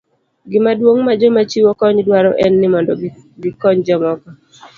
Gima duong' ma joma chiwo kony dwaro en ni mondo gikony jomoko.